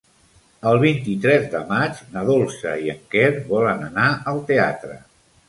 El vint-i-tres de maig na Dolça i en Quer volen anar al teatre.